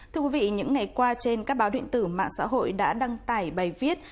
thưa quý vị những ngày qua trên các báo điện tử mạng xã hội đã đăng tải bài viết